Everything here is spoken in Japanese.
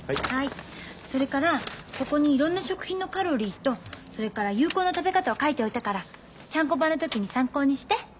それからここにいろんな食品のカロリーとそれから有効な食べ方を書いておいたからちゃんこ番の時に参考にして。